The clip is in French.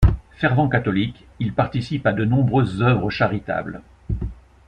Fervent catholique, il participe à de nombreuses œuvres charitables.